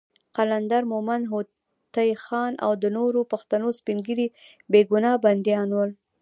قلندر مومند، هوتي خان، او د نورو پښتنو سپین ږیري بېګناه بندیان وو.